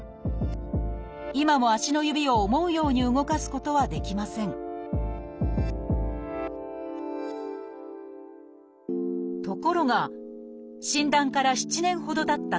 今も足の指を思うように動かすことはできませんところが診断から７年ほどたった